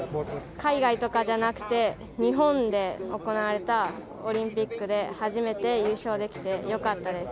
海外とかじゃなくて、日本で行われたオリンピックで、初めて優勝できてよかったです。